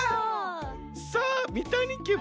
さあみたにけは？